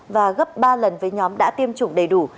và gấp ba lần với nhóm đã tiêm chủng đầy đủ